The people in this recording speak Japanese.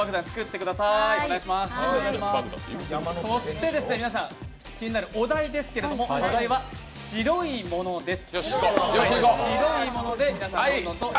そして皆さん、気になるお題ですけど、白いものです。